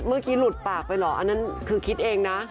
เมื่อกี้หลุดปากไปเหรออันนั้นคือคิดเองนะ